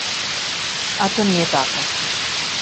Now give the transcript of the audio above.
А то није тако.